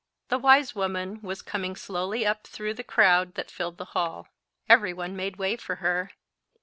The wise woman was coming slowly up through the crowd that filled the hall. Every one made way for her.